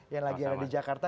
yang lagi ada di jakarta